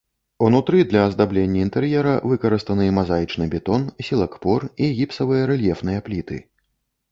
Унутры для аздаблення інтэр'ера выкарыстаны мазаічны бетон, сілакпор і гіпсавыя рэльефныя пліты.